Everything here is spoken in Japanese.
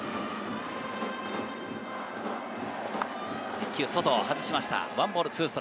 １球、外、外しました。